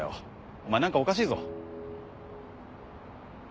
お前何かおかしいぞ。